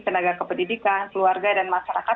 tenaga kependidikan keluarga dan masyarakat